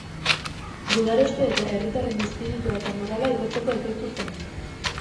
Gudaroste eta herritarren izpiritua eta morala igotzeko ekoiztu zen.